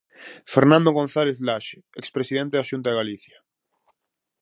Fernando González Laxe, expresidente da Xunta de Galicia.